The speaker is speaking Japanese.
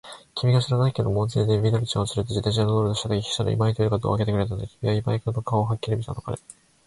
きみが篠崎家の門前で、緑ちゃんをつれて自動車に乗ろうとしたとき、秘書の今井というのがドアをあけてくれたんだね。きみは今井君の顔をはっきり見たのかね。